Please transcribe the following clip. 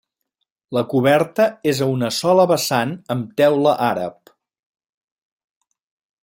La coberta és a una sola vessant amb teula àrab.